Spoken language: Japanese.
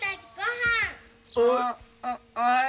はい。